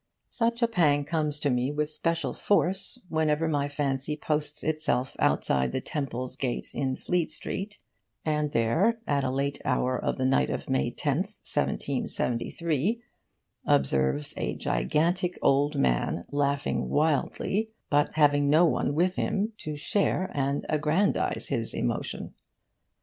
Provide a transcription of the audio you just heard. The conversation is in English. Such a pang comes to me with special force whenever my fancy posts itself outside the Temple's gate in Fleet Street, and there, at a late hour of the night of May 10th, 1773, observes a gigantic old man laughing wildly, but having no one with him to share and aggrandise his emotion.